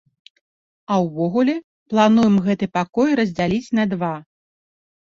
А ўвогуле, плануем гэты пакой раздзяліць на два.